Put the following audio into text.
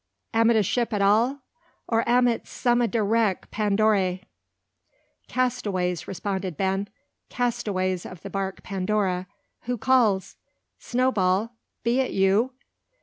Am it a ship at all? Or am it some o' de wreck Pandoray?" "Castaways," responded Ben. "Castaways of the bark Pandora, Who calls? Snowball! Be it you?"